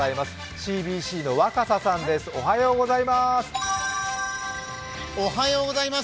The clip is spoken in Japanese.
ＣＢＣの若狭さんです、おはようございます。